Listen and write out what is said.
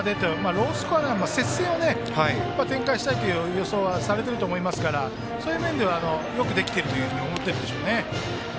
ロースコアより接戦を展開したいという予想はされていると思いますからそういう意味ではよくできていると思っているでしょうね。